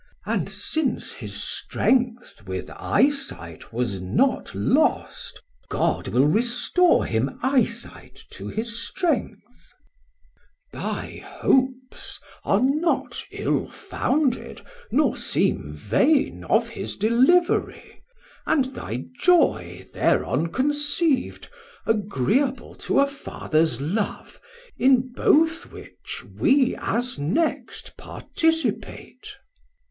And since his strength with eye sight was not lost, God will restore him eye sight to his strength. Chor: Thy hopes are not ill founded nor seem vain Of his delivery, and thy joy thereon Conceiv'd, agreeable to a Fathers love, In both which we, as next participate.